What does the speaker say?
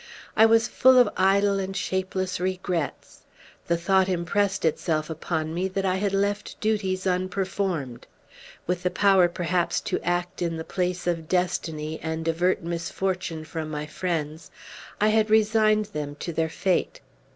I was full of idle and shapeless regrets. The thought impressed itself upon me that I had left duties unperformed. With the power, perhaps, to act in the place of destiny and avert misfortune from my friends, I had resigned them to their fate.